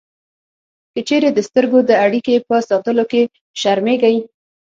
که چېرې د سترګو د اړیکې په ساتلو کې شرمېږئ